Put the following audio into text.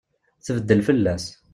Tbeddel fell-as.